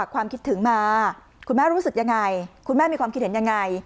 คุณแม่รู้สึกยังไงคุณแม่มีความคิดเห็นยังไง